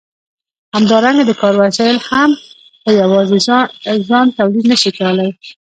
همدارنګه د کار وسایل هم په یوازې ځان تولید نشي کولای.